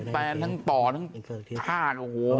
หมอน้ำทาด